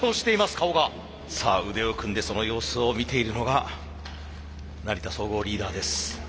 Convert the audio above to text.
さあ腕を組んでその様子を見ているのが成田総合リーダーです。